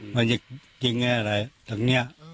มันยิงแหละแทงเนี้ย